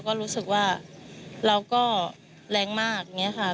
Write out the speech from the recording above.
ก็รู้สึกว่าเราก็แรงมากอย่างนี้ค่ะ